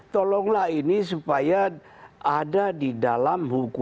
tolonglah ini supaya ada di dalam hukum